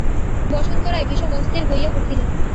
বসন্ত রায় বিষম অস্থির হইয়া উঠিলেন।